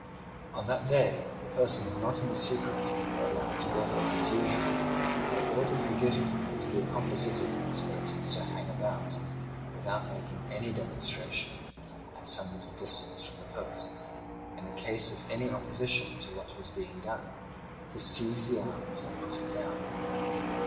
On that day the persons not in the secret were allowed to go home as usual, while orders were given to the accomplices of the conspirators to hang about, without making any demonstration, at some little distance from the posts, and in case of any opposition to what was being done, to seize the arms and put it down.